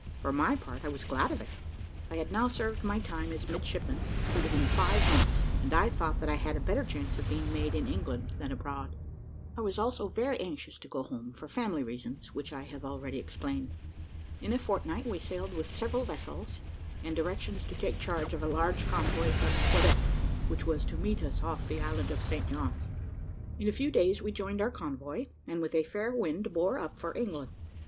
For my part, I was glad of it. I had now served my time as midshipman, to within five months, and I thought that I had a better chance of being made in England than abroad. I was also very anxious to go home, for family reasons, which I have already explained. In a fortnight we sailed with several vessels, and directions to take charge of a large convoy from Quebec, which was to meet us off the island of St. John's. In a few days we joined our convoy, and with a fair wind bore up for England.